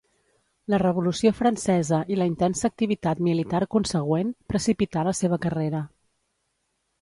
La Revolució Francesa, i la intensa activitat militar consegüent, precipità la seva carrera.